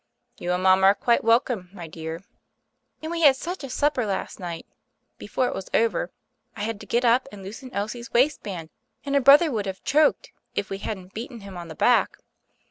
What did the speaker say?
"You and mama are quite welcome, my dear." "And we had such a supper last night. Be fore it was over, I had to get up and loosen Elsie's waistband; and our brother would have choked, if we hadn't beaten him on the back.